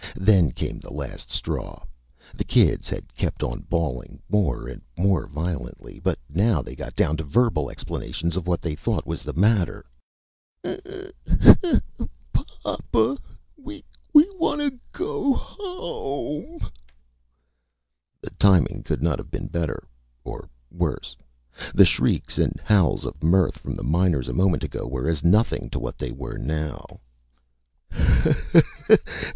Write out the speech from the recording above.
Then came the last straw. The kids had kept on bawling more and more violently. But now they got down to verbal explanations of what they thought was the matter: "Wa aa aa a ahh h! Papa we wanna go o o hom m mm e!..." The timing could not have been better or worse. The shrieks and howls of mirth from the miners, a moment ago, were as nothing to what they were now.